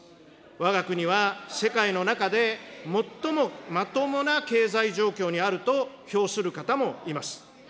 わが国は世界の中で最もまともな経済状況にあると評する方もいます。